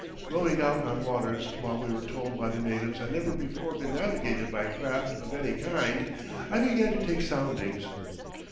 Rowing out on waters which we were told by the natives had never before been navigated by craft of any kind, I began to take soundings.